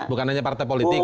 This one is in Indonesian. bukan hanya partai politik